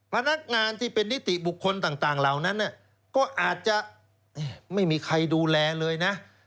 พนักงานที่เป็นนิติบุคคลต่างเหล่านั้นก็อาจจะไม่มีใครดูแลเลยนะ